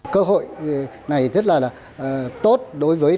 cơ hội này rất là tốt đối với vận phục